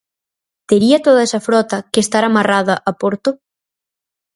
Tería toda esa frota que estar amarrada a porto?